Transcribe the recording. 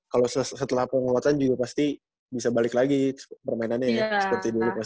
kalau setelah penguatan juga pasti bisa balik lagi permainannya seperti dulu